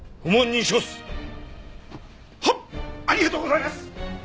はっありがとうございます！